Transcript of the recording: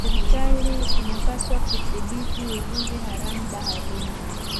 Serikali inapaswa kudhibiti uvuvi haramu baharini